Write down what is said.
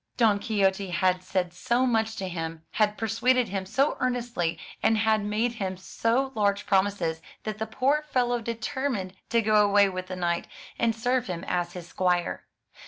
Don Quixote had said so much to him, had persuaded him so earnestly, and had made him so large promises, that the poor fellow determined to go away with the knight, and serve him as his squire.